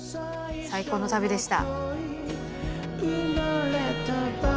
最高の旅でした。